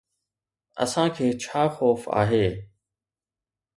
اسان کي ڇا خوف آهي؟